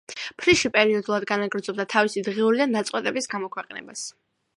ფრიში პერიოდულად განაგრძობდა თავისი დღიურიდან ნაწყვეტების გამოქვეყნებას.